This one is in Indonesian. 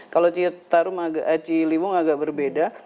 kalau citarum ciliwung agak berbeda